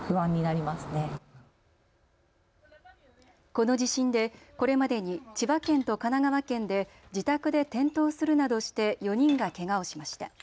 この地震で、これまでに千葉県と神奈川県で自宅で転倒するなどして４人がけがをしました。